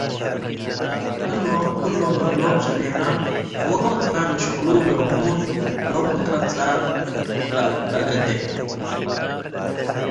እሎም ክሎም ለእሎም ሰሜነ፡ ዎሮከ ለሽቅሉ ለእሙር ለእቡ ቀንጸ ለአገዴ ።